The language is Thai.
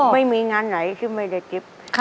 ไม่มีงานไหนที่ไม่ได้เก็บ